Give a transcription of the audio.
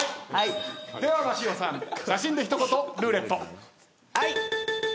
では槙尾さん写真で一言ルーレット。